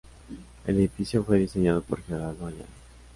El edificio fue diseñado por Gerardo Ayala.